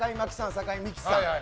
酒井美紀さん。